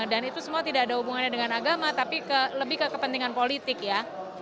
dan itu semua tidak ada hubungannya dengan agama tapi lebih ke kepentingan politik ya